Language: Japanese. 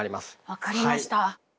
分かりました。